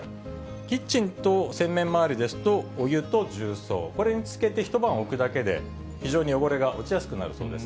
キッチンと洗面周りですと、お湯と重曹、これにつけて一晩置くだけで非常に汚れが落ちやすくなるそうです。